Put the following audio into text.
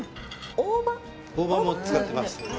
大葉も使ってます